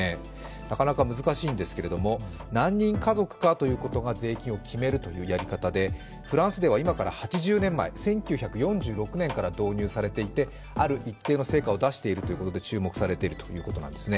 なかなか難しいんですけれども、何人家族かということが税金を決めるというやり方で、フランスでは今から８０年前、１９４６年から導入されていてある一定の成果を出しているということで、注目されているということなんですね。